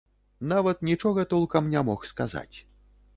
Нават нічога толкам не мог сказаць.